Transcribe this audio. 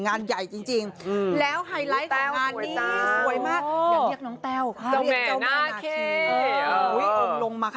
งานใหญ่จริงจริงแล้วไฮไลท์ของการนี้สวยมาก